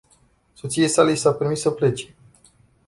Soției sale i s-a permis să plece.